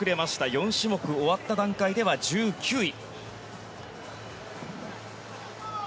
４種目終わった段階では１９位。